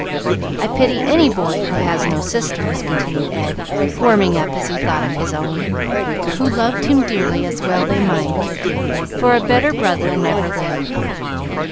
I pity any boy who has no sisters," continued Ed, warming up as he thought of his own, who loved him dearly, as well they might, for a better brother never lived.